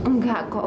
nggak kok nggak